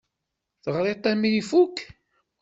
Teɣriḍ-t armi ifukk?